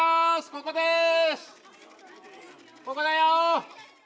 ここだよ！